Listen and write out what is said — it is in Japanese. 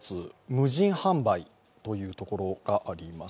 無人販売というところがあります。